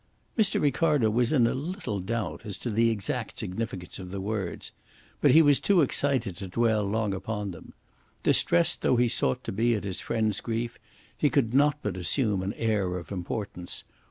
Mr. Ricardo was in a little doubt as to the exact significance of the words. But he was too excited to dwell long upon them. Distressed though he sought to be at his friend's grief, he could not but assume an air of importance.